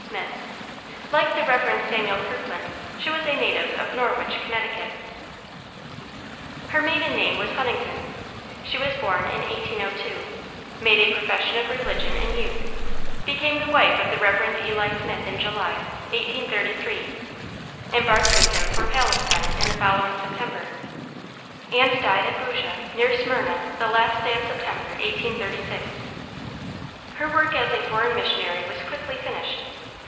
Smith. Like the Rev. Samuel Kirkland, she was a native of Norwich, Connecticut. Her maiden name was Huntington. She was born in 1802; made a profession of religion in youth; became the wife of the Rev. Eli Smith in July, 1833; embarked with him for Palestine in the following September, and died at Boojah, near Smyrna, the last day of September, 1836. Her work as a foreign missionary was quickly finished.